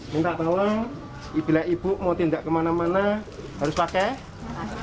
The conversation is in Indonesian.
minta tolong bila ibu mau tindak kemana mana harus pakai masker